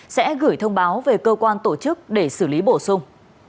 sẽ gửi thông báo về cơ quan tổ chức để xử lý bổ sung